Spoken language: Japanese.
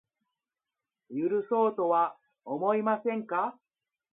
許そうとは思いませんか